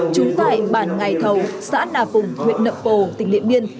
trúng tại bản ngày thầu xã nà phùng huyện nậm bồ tỉnh liện biên